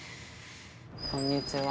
こんにちは。